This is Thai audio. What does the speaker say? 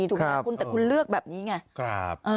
ถูกหรือเปล่าคุณแต่คุณเลือกแบบนี้ไง